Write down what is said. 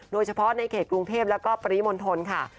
โดยเฉพาะในเขตกรุงเทพแล้วก็ปริมณฑลค่ะ